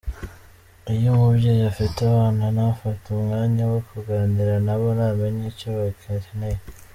Iyo umubyeyi afite abana, ntafate umwanya wo kuganira nabo, ntamenya icyo bakeneye.